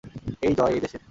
এই জয় এই দেশের।